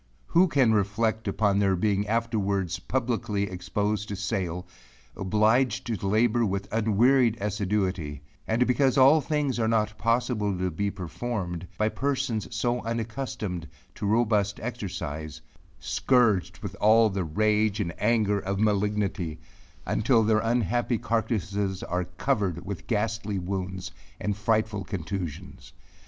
Who can reflect upon their being afterwards publicly exposed to sale obliged to labor with unwearied assiduity and because all things are not possible to be performed, by persons so unaccustomed to robust exercise, scourged with all the rage and anger of malignity, until their unhappy carcasses are covered with ghastly wounds and frightful contusions?